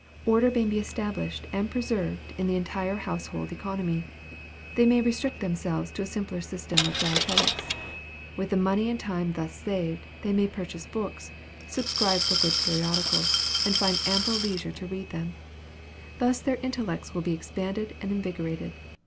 Order may be established and preserved in the entire household economy. They may restrict themselves to a simpler system of dietetics. With the money and time thus saved, they may purchase books, subscribe for good periodicals, and find ample leisure to read them. Thus their intellects will be expanded and invigorated.